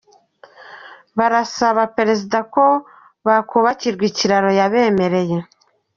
Barasaba Perezida ko bakubakirwa ikiraro yabemereye.